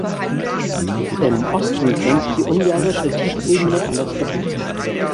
Im Osten grenzt die ungarische Tiefebene an das Gebiet.